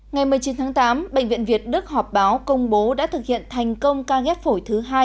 ngày một mươi chín tháng tám bệnh viện việt đức họp báo công bố đã thực hiện thành công ca ghép phổi thứ hai